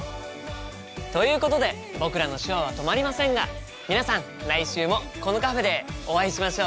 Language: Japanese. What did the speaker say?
ということで僕らの手話は止まりませんが皆さん来週もこのカフェでお会いしましょうね。